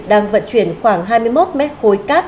đang vận chuyển khoảng hai mươi một mét khối cát